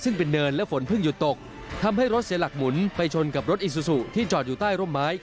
ซึ่งเป็นเนินและฝนเพิ่งหยุดตก